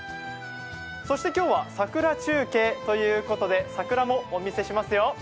そして今日は桜中継ということで、桜もお見せしますよ。